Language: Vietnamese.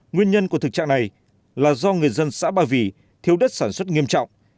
nhiều người dân của thực trạng này là do người dân xã ba vì thiếu đất sản xuất nghiêm trọng